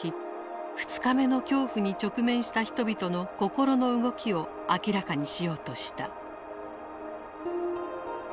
「二日目の恐怖」に直面した人々の心の動きを明らかにしようとした。